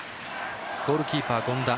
ゴールキーパー、権田。